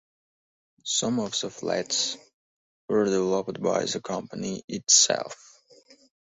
Some of the flats were developed by the Company itself.